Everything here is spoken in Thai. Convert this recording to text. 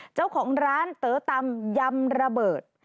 เจ้าของร้านเต๋อตำยำระเบิด